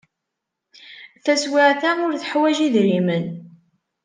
Taswiɛt-a, ur teḥwaj idrimen.